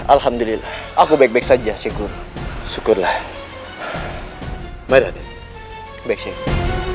alhamdulillah aku baik baik saja syekh guru syukurlah baik baik saja syekh guru